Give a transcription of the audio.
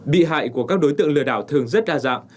bị hại của các đối tượng lừa đảo thường rất đa dạng